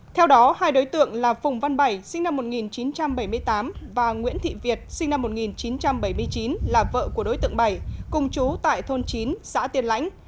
theo đó hai đối tượng là phùng văn bảy sinh năm một nghìn chín trăm bảy mươi tám và nguyễn thị việt sinh năm một nghìn chín trăm bảy mươi chín là vợ của đối tượng bảy cùng chú tại thôn chín xã tiên lãnh